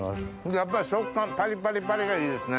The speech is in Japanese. やっぱり食感パリパリパリがいいですね。